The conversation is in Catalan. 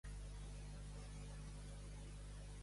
Cara rentada i casa cagada.